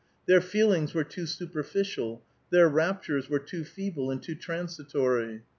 Their feelings were too superficial; their raptures were too feeble and too transitory."